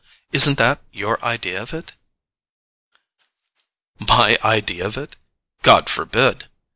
Isn't that your idea of it?" "My idea of it? God forbid!"